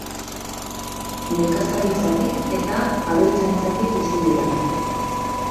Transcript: Nekazaritzatik eta abeltzaintzatik bizi dira.